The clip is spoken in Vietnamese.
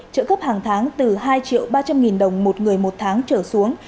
trợ cấp hàng tháng từ hai ba trăm linh đồng một người một tháng trở xuống